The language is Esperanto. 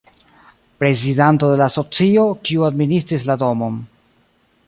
Prezidanto de la asocio, kiu administris la domon.